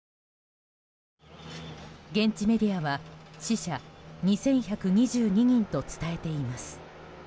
現地メディアは死者２１２２人と伝えています。